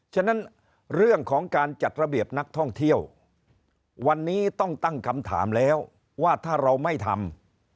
ฉะนั้นเรื่องของการจัดระเบียบนักท่องเที่ยววันนี้ต้องตั้งคำถามแล้วว่าถ้าเราไม่ทำ